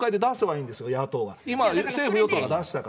今、政府・与党が出したから。